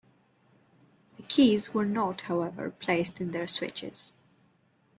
The keys were not, however, placed in their switches.